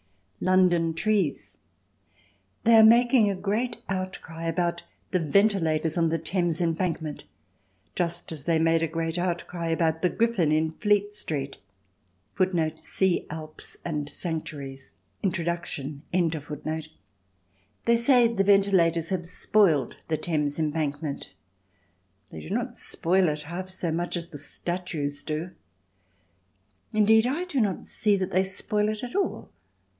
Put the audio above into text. London Trees They are making a great outcry about the ventilators on the Thames Embankment, just as they made a great outcry about the Griffin in Fleet Street. [See Alps and Sanctuaries. Introduction.] They say the ventilators have spoiled the Thames Embankment. They do not spoil it half so much as the statues do—indeed, I do not see that they spoil it at all.